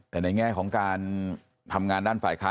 แต่ในแง่ของการทำงานด้านฝ่ายค้า